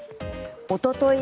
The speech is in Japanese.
おととい